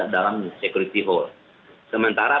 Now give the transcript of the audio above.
dalam security hole sementara